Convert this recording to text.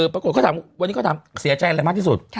ปรากฏเขาถามวันนี้เขาถามเสียใจอะไรมากที่สุด